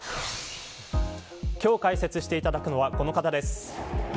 今日、解説していただくのはこの方です。